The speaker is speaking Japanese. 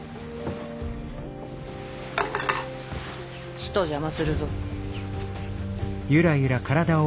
ちと邪魔するぞ。